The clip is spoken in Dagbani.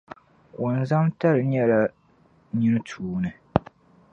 Wɔnzamtali nyɛ la nini tuuni.